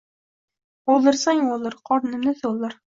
O'ldirsang o'ldir, qornimni to’ldir.